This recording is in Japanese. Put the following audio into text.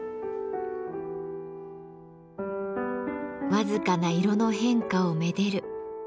わずかな色の変化を愛でる。